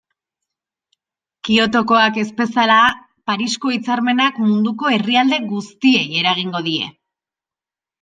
Kyotokoak ez bezala, Parisko hitzarmenak munduko herrialde guztiei eragingo die.